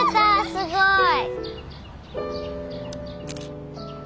すごい。